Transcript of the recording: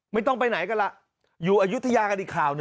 ไม่ต้องไปไหนก็ละอยู่อยุธยากันอีกคราว